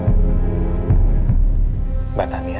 untuk mempertahankan dia